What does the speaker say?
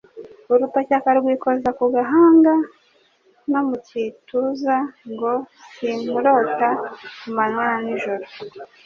urutoki akarwikoza mu gahanga no mu gituza, ngo Sinkurota ku manywa na n’ijoro